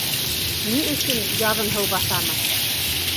Ни өсөн яҙын һыу баҫамы?